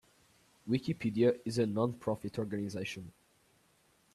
Wikipedia is a non-profit organization.